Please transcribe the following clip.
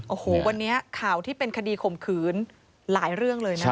โอ้โหวันนี้ข่าวที่เป็นคดีข่มขืนหลายเรื่องเลยนะคะ